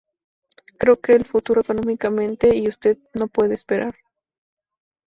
Creo que el futuro emocionante, y usted no puede esperar.